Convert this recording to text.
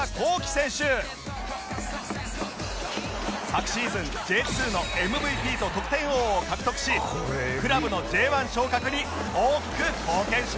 昨シーズン Ｊ２ の ＭＶＰ と得点王を獲得しクラブの Ｊ１ 昇格に大きく貢献しました